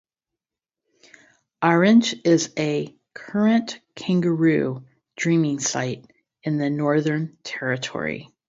Aherrenge is a current kangaroo dreaming site in the Northern Territory.